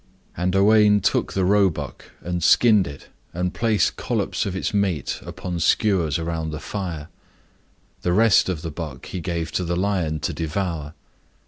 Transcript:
And Owain took the roebuck, and skinned it, and placed collops of its flesh upon skewers round the fire. The rest of the buck he gave to the lion to devour.